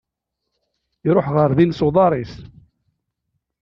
Iruḥ ɣer din s uḍar-is.